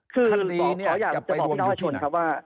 คดีเนี่ยจะไปรวมอยู่ที่ไหน